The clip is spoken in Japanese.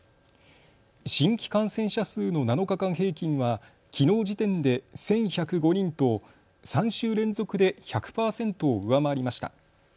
新規感染者数の７日間平均はきのう時点で１１０５人と３週連続で１００％を上回りました。